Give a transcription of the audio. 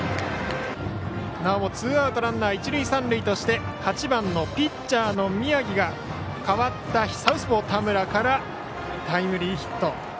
なおもツーアウトランナー、一塁三塁として８番のピッチャーの宮城が代わったサウスポー田村からタイムリーヒット。